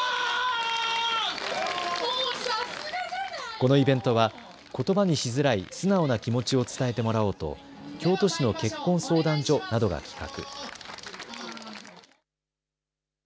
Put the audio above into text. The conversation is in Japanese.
このイベントはことばにしづらい素直な気持ちを伝えてもらおうと京都市の結婚相談所などが企画。